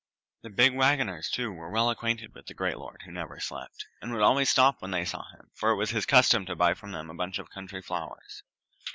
The big wagoners, too, were well acquainted with the great lord who never slept, and would always stop when they saw him, for it was his custom to buy from them a bunch of country flowers.